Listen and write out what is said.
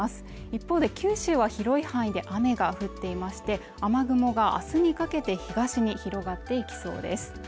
一方で九州は広い範囲で雨が降っていまして雨雲が明日にかけて東に広がっていきそうです